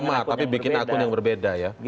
orang yang sama tapi bikin akun yang berbeda ya